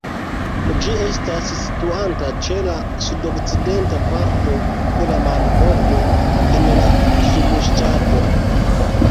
Ĝi estas situanta ĉe la sudokcidenta parto de la marbordo en la subŝtato.